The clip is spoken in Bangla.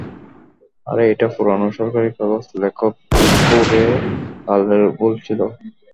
আরে এটা পুরানো সরকারি কাগজ লেখক ভুরে লালের ভুল ছিল।